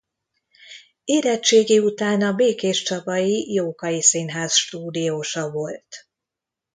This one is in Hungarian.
Érettségi után a békéscsabai Jókai Színház stúdiósa volt.